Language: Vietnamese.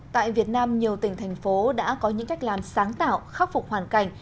tại việt nam nhiều tỉnh thành phố đã có những cách làm sáng tạo khắc phục hoàn cảnh